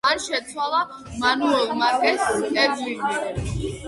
მან შეცვალა მანუელ მარკეს სტერლინგი.